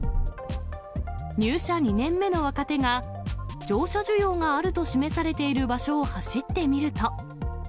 入社２年目の若手が、乗車需要があると示されている場所を走ってみると。